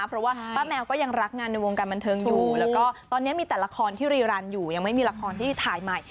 เพราะว่าป้าแมวก็ยังรักงานในวงการบันเทิงอยู่แล้วก็ตอนนี้มีแต่ละครที่รีรันอยู่ยังไม่มีละครที่ถ่ายใหม่